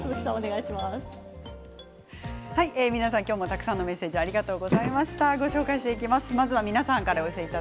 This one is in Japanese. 皆さん、今日もたくさんのメッセージありがとうございました。